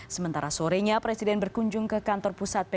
sementara sorenya presiden berkunjung ke kantor pusat pbnu